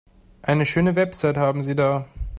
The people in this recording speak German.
Eine schöne Website haben Sie da.